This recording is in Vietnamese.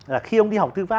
là khi ông đi học thư pháp